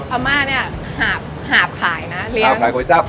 อัม่าเนี่ยหาบขายนะหาบขายโหยจับ